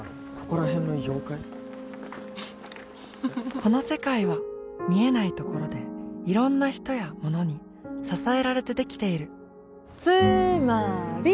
この世界は見えないところでいろんな人やものに支えられてできているつーまーり！